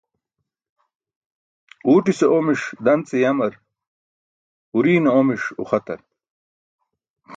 Uwtise omiṣ dan ce yamar, uriṅe omiṣ uxatar